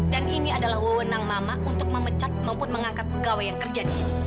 dan ini adalah wewenang mama untuk memecat maupun mengangkat pegawai yang kerja di sini